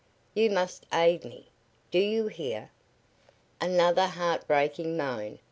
You must aid me! Do you hear?" Another heart breaking moan.